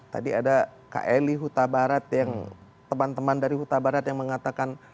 tadi ada kak eli huta barat yang teman teman dari huta barat yang mengatakan